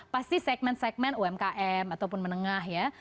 pasti segmen segmen umkm ataupun menengah ya